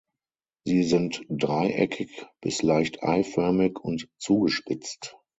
Sie sind dreieckig bis leicht eiförmig und zugespitzt.